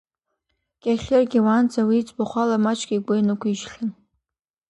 Кьахьыргьы уаанӡа уи иӡбахә ала маҷк игәы инықәишьхьан.